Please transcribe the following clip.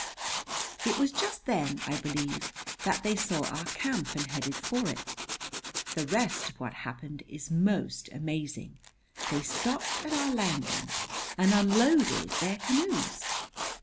It was just then, I believe, that they saw our camp and headed for it. The rest of what happened is most amazing. They stopped at our landing and unloaded their canoes.